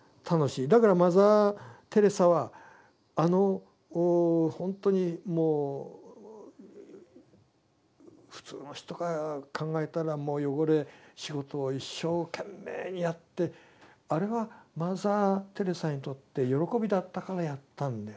だからマザー・テレサはあのほんとにもう普通の人が考えたらもう汚れ仕事を一生懸命にやってあれはマザー・テレサにとって喜びだったからやったんで。